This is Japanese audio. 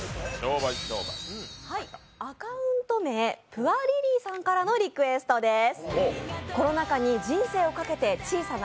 アカウント名、プアリリイさんからのリクエストです。